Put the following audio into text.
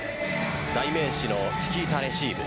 代名詞のチキータレシーブ